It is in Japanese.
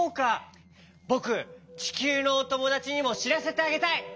ぼくちきゅうのおともだちにもしらせてあげたい！